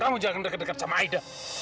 kamu jangan dekat dekat sama aida